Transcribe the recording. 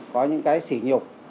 có những cái xỉ nhục